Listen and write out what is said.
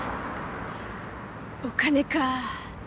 お金か。